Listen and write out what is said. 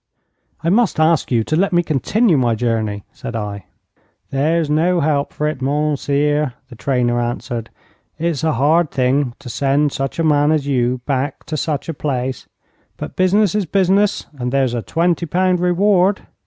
'I must ask you to let me continue my journey,' said I. 'There's no help for it, mounseer,' the trainer answered. 'It's a hard thing to send such a man as you back to such a place, but business is business, and there's a twenty pound reward.